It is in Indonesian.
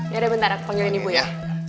ya udah bentar aku panggilin ibu ya